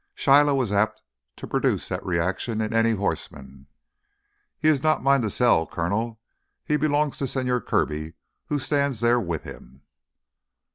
Shiloh was apt to produce that reaction in any horseman. "He is not mine to sell, Coronel. He belongs to Señor Kirby who stands there with him."